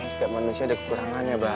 setiap manusia ada kekurangannya mbak